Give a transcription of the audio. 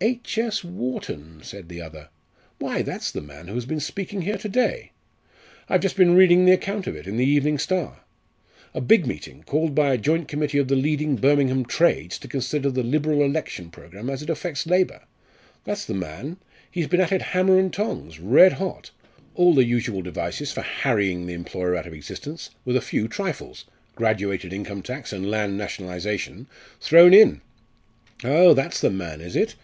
"H.S. Wharton?" said the other. "Why, that's the man who has been speaking here to day. I've just been reading the account of it in the Evening Star. A big meeting called by a joint committee of the leading Birmingham trades to consider the Liberal election programme as it affects labour that's the man he's been at it hammer and tongs red hot all the usual devices for harrying the employer out of existence, with a few trifles graduated income tax and land nationalisation thrown in. Oh! that's the man, is it?